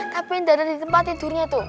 tapi tidak ada di tempat tidurnya tuh